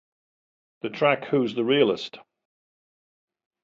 The track Who's the Realest?